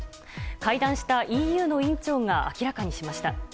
会談したＥＵの委員長が明らかにしました。